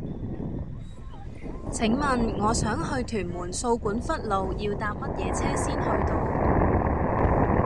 請問我想去屯門掃管笏路要搭乜嘢車先去到